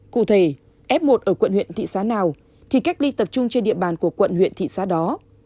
cụ thể f một ở quận huyện thị xã nào thì cách ly tập trung trên địa bàn của quận huyện thị xã đó